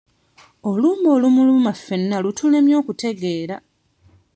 Olumbe olumuluma fenna lutulemye okutegeera.